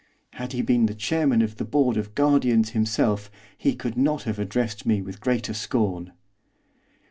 Had he been the Chairman of the Board of Guardians himself he could not have addressed me with greater scorn.